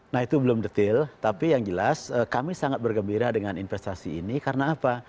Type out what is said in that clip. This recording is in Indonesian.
nah itu belum detail tapi yang jelas kami sangat bergembira dengan investasi ini karena apa